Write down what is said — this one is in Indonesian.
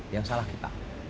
yang salah kita